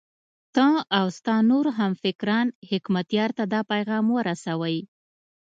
ته او ستا نور همفکران حکمتیار ته دا پیغام ورسوئ.